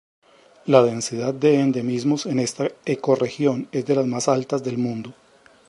La densidad de endemismos en esta ecorregión es de las más altas del mundo.